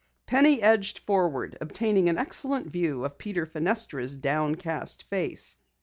Penny edged forward, obtaining an excellent view of Peter Fenestra's downcast face.